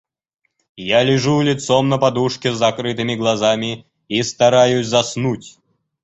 Я лежу лицом на подушке с закрытыми глазами и стараюсь заснуть.